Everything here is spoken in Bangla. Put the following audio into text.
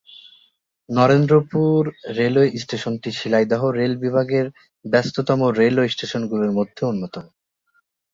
নরেন্দ্রপুর রেলওয়ে স্টেশনটি শিয়ালদহ রেল বিভাগের ব্যস্ততম রেলওয়ে স্টেশনগুলির মধ্যে অন্যতম।